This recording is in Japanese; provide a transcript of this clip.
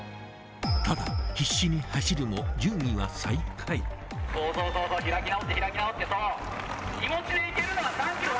ただ、必死に走るも順位は最下位。